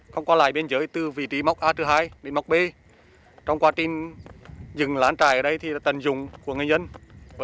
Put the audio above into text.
không qua lại biên giới trái phép